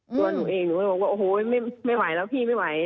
ตัวหนูเองหนูก็บอกว่าโอ้โหไม่ไหวแล้วพี่ไม่ไหว